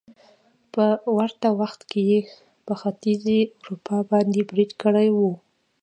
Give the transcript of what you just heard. په ورته وخت کې يې په ختيځې اروپا باندې بريد کړی وو